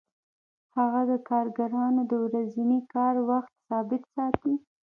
هغه د کارګرانو د ورځني کار وخت ثابت ساتي